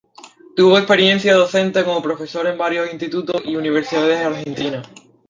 Tuvo experiencia docente como profesor en varios institutos y universidades argentinas.